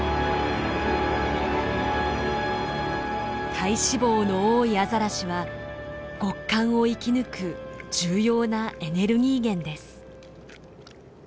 体脂肪の多いアザラシは極寒を生き抜く重要なエネルギー源です。